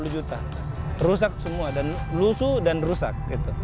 dua puluh juta rusak semua dan lusu dan rusak